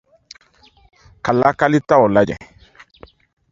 - Ka lakalitaw lajɛn ;